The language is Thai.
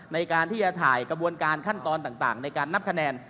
ในการที่จะถ่ายกระบวนการขั้นตอนต่างในการนับคะแนน